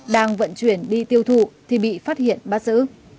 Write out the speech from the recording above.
đang vận chuyển đi tiêu thụ thì bị phát hiện bắt giữ